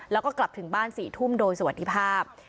แล้วก็กลับถึงบ้าน๔ทุ่มโดยสวัสดีภาพ